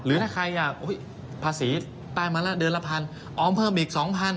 หรือถ้าใครภาษีใต้มาแล้วเดือนละพันออมเพิ่มอีก๒๐๐